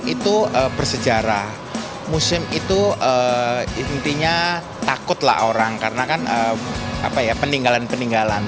itu bersejarah museum itu intinya takutlah orang karena kan peninggalan peninggalan